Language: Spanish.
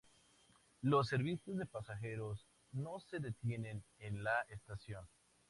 Los servicios de pasajeros no se detienen en la estación.